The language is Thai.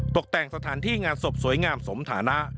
ตกแต่งสถานที่งานศพสวยงามสมฐานะ